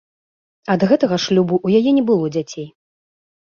Ад гэтага шлюбу ў яе не было дзяцей.